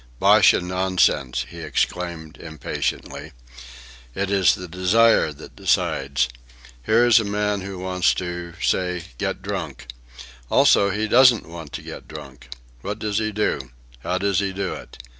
"Bosh and nonsense!" he exclaimed impatiently. "It is the desire that decides. Here is a man who wants to, say, get drunk. Also, he doesn't want to get drunk. What does he do? How does he do it?